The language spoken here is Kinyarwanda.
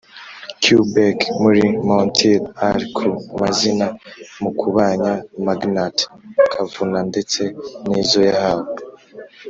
Qu bec muri montr al ku mazina mukubanya magnat kavuna ndetse n izo yahawe